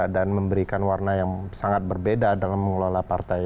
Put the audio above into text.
dan memberikan warna yang sangat berbeda dalam mengelola partai